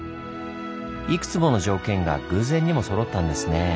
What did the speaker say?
いくつもの条件が偶然にもそろったんですねぇ。